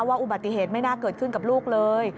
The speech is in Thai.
อุบัติเหตุไม่น่าเกิดขึ้นกับลูกเลย